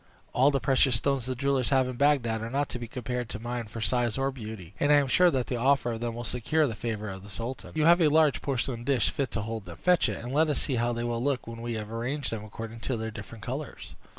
All the precious stones the jewellers have in Bagdad are not to be compared to mine for size or beauty; and I am sure that the offer of them will secure the favor of the sultan. You have a large porcelain dish fit to hold them; fetch it, and let us see how they will look, when we have arranged them according to their different colors."